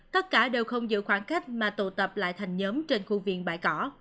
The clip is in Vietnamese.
tất cả đều không giữ khoảng cách mà tụ tập lại thành nhóm trên khu viện bãi cỏ